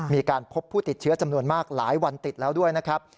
มีการพบผู้ติดเชื้อจำนวนมากหลายวันติดแล้วด้วยนะครับ